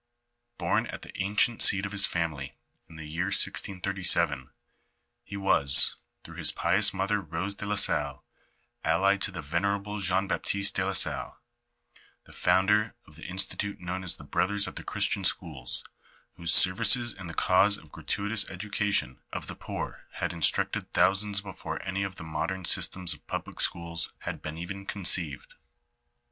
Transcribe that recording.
Bom at the ancient seat of his family, in the year 1637, he was, through his pious mother Bose de la Salle, allied to the venerable John Baptist de la Salle, the founder of the insti tute known as the Brothers of the Christian Schools, whose services in the cause of gratuitous education of the poor had instructed thousands before any of the modem systems of public schools had been even conceived.